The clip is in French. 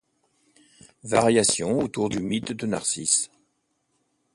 Variation autour du mythe de Narcisse.